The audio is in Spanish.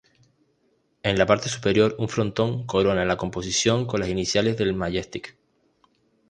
En la parte superior un frontón corona la composición con las iniciales del Majestic.